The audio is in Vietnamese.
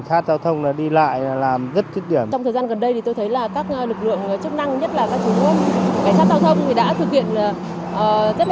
cụ thể tình hình tên hạn giao thông đã đem lại những hiệu quả tích cực